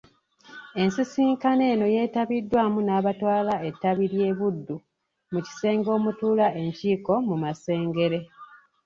Ensisinkano eno yeetabiddwamu n'abatwala ettabi ly'e Buddu mu kisenge omutuula enkiiko ku Masengere.